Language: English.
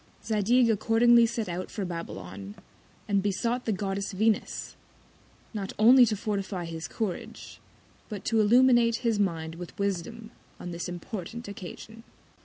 Zadig accordingly set out for Babylon, and besought the Goddess Venus, not only to fortify his Courage, but to illuminate his Mind with Wisdom on this important Occasion.